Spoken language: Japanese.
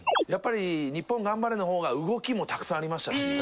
やっぱり「ニッポンがんばれ」のほうが動きもたくさんありましたし。